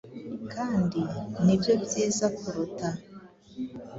kandi nibyo byiza kuruta